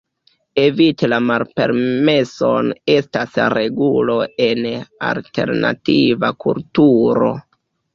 Eviti la malpermeson estas regulo en alternativa kulturo.